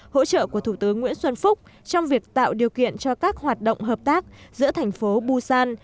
hỗ trợ của thủ tướng nguyễn xuân phúc trong việc tạo điều kiện cho các hoạt động hợp tác giữa thành phố busan